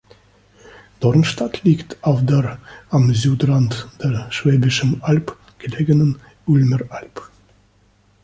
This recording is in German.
Dornstadt liegt auf der am Südrand der Schwäbischen Alb gelegenen Ulmer Alb.